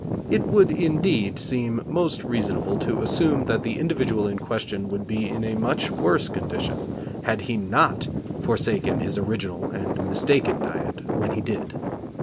It would, indeed, seem most reasonable to assume that the individual in question would be in a much worse condition had he not forsaken his original and mistaken diet when he did.